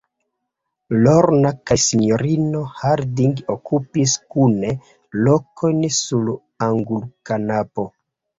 Lorna kaj sinjorino Harding okupis kune lokojn sur angulkanapo.